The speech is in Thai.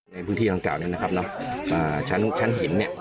ในพื้นที่ต่างจ่าวนี้นะครับเนอะอ่าชั้นชั้นหินเนี่ย